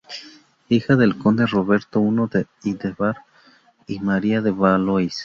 Hija del conde Roberto I de Bar y María de Valois.